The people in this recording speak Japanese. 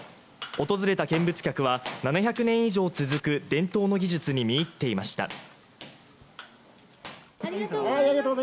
訪れた見物客は７００年以上続く伝統技術に見入っていました。